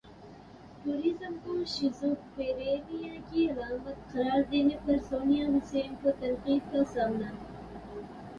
ٹزم کو شیزوفیرینیا کی علامت قرار دینے پر سونیا حسین کو تنقید کا سامنا